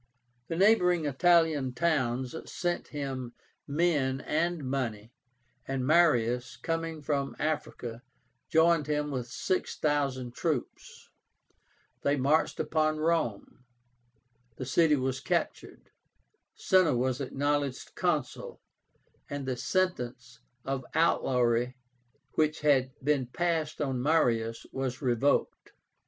The neighboring Italian towns sent him men and money, and Marius, coming from Africa, joined him with six thousand troops. They marched upon Rome. The city was captured. Cinna was acknowledged Consul, and the sentence of outlawry which had been passed on Marius was revoked.